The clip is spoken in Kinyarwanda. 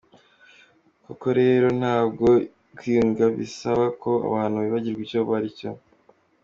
Koko rero ntabwo kwiyunga bisaba ko abantu bibagirwa icyo bari cyo.